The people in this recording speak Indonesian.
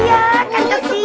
iya kan kesian